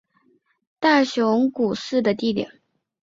大熊裕司的弟弟。